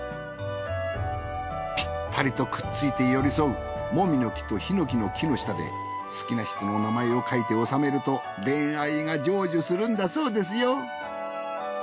ピッタリとくっついて寄り添うもみの木とひのきの木の下で好きな人の名前を書いて納めると恋愛が成就するんだそうですよ。